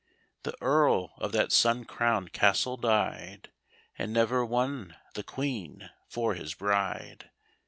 The earl of that sun crowned castle died. And never won the Queen for his bride.